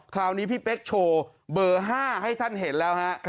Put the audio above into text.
คราวนี้พี่เป๊กโชว์เบอร์๕ให้ท่านเห็นแล้วฮะ